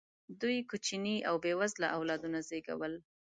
دوی کوچني او بې وزله اولادونه زېږول.